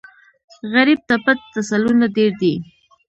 غریب ته پټ تسلونه ډېر دي